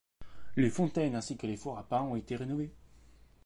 Les fontaines ainsi que les fours à pain ont été rénovés.